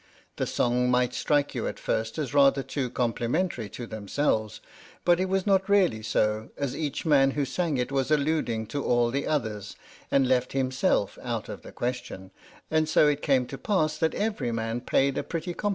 The song might strike you at first as rather too com plimentary to themselves, but it was not really so, as each man who sang it was alluding to all the others, and left himself out of the question, and so it came to pass that every man paid a pretty compli ce c H.